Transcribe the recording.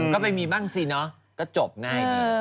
ก็ไปมีบ้างสิเนอะก็จบง่าย